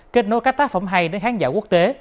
kết nối các tác phẩm hay đến khán giả quốc tế